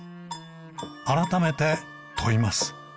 改めて問います。